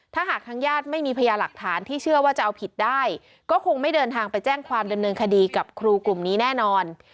ถ้าหากทางญาติไม่มีพยาหลักฐานที่เชื่อว่าจะเอาผิดได้ก็คงไม่เดินทางไปแจ้งความดำเนินคดีกับครูกลุ่มนี้แน่นอน